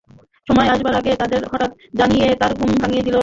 সময় আসবার আগে তাকে হঠাৎ জানিয়ে তার ঘুম ভাঙিয়ে দেওয়া নিরাপদ নয়।